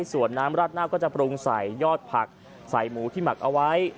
ส่วนน้ำราดหน้าก็จะปรุงใส่ยอดผักใส่หมูที่หมักเอาไว้